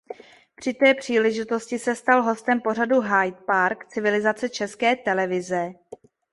Při té příležitosti se stal hostem pořadu Hyde Park Civilizace České televize.